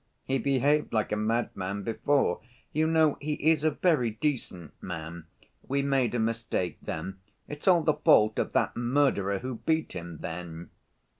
He behaved like a madman before. You know he is a very decent man. We made a mistake then. It's all the fault of that murderer who beat him then."